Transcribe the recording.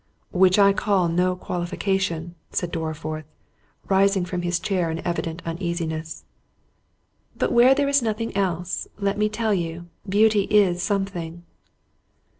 "Which I call no qualification," said Dorriforth, rising from his chair in evident uneasiness. "But where there is nothing else, let me tell you, beauty is something."